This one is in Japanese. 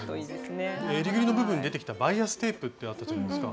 えりぐりの部分に出てきたバイアステープってあったじゃないですか。